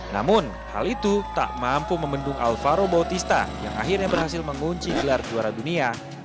namun hal itu tak mampu membendung alvaro bautista yang akhirnya berhasil mengunci gelar juara dunia